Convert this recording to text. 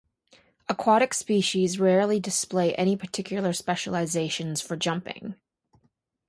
Aquatic species rarely display any particular specializations for jumping.